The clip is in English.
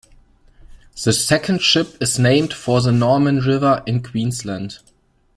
The second ship is named for the Norman River in Queensland.